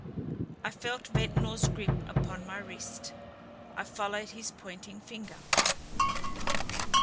I felt Ventnor's grip upon my wrist. I followed his pointing finger.